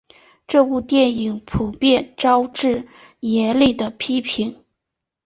这部电影普遍招致严厉的批评。